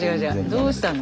どうしたの？